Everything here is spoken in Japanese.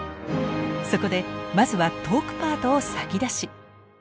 そこでまずはトークパートを先出し！